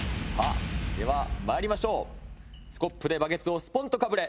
ではまいりましょうスコップでバケツをスポンとかぶれ！